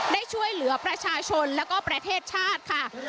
ได้ช่วยเหลือประชาชนแล้วก็ประเทศชาติค่ะ